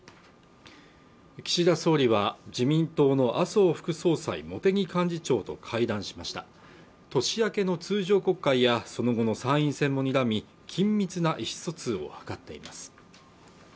岸田総理は自民党の麻生副総裁茂木幹事長と会談しました年明けの通常国会やその後の参院選もにらみ緊密な意思疎通を図っています